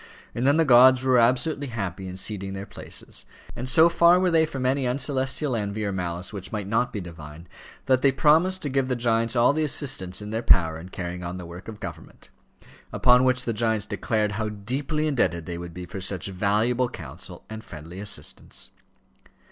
And then the gods were absolutely happy in ceding their places; and so far were they from any uncelestial envy or malice which might not be divine, that they promised to give the giants all the assistance in their power in carrying on the work of government; upon which the giants declared how deeply indebted they would be for such valuable counsel and friendly assistance.